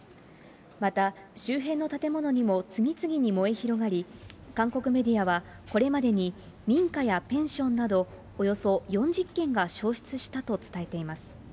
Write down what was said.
また周辺の建物にも次々に燃え広がり、韓国メディアは、これまでに民家やペンションなどおよそ４０軒が焼失したと伝えています。